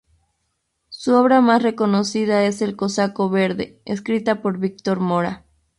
Su obra más reconocida es "El Cosaco Verde", escrita por Víctor Mora.